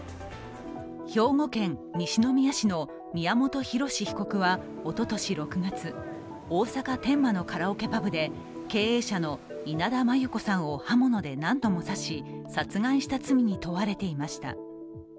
兵庫県西宮市の宮本浩志被告はおととし６月、大阪・天満のカラオケパブで経営者の稲田真優子さんを刃物で何度も刺し、殺害した罪に問われていました。